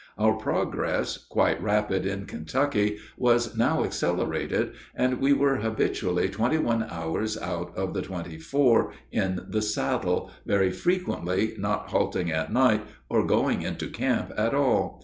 Our progress, quite rapid in Kentucky, was now accelerated, and we were habitually twenty one hours out of the twenty four in the saddle, very frequently not halting at night or going into camp at all.